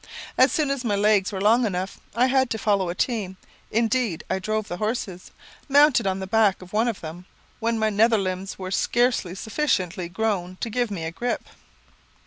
As soon as my legs were long enough, I had to follow a team; indeed, I drove the horses, mounted on the back of one of them, when my nether limbs were scarcely sufficiently grown to give me a grip.